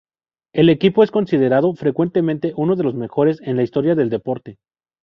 El equipo es considerado frecuentemente uno de los mejores en la historia del deporte.